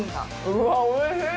うんおいしい！